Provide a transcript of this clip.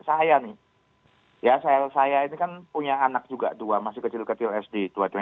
saya nih ya saya ini kan punya anak juga dua masih kecil kecil sd